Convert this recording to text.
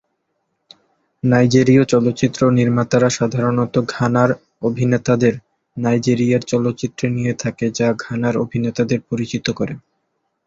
নাইজেরিয় চলচ্চিত্র নির্মাতারা সাধারণত ঘানার অভিনেতাদের নাইজেরিয়ার চলচ্চিত্রে নিয়ে থাকে যা ঘানার অভিনেতাদের পরিচিত করে।